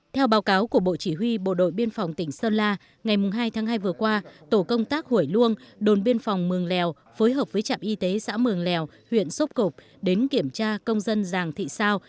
theo báo cáo của bộ chỉ huy bộ đội biên phòng tỉnh sơn la ngày hai tháng hai vừa qua tổ công tác hủy luông đồn biên phòng mường lèo phối hợp với trạm y tế xã mường lèo huyện sốp cộp đến kiểm tra công dân giàng thị sao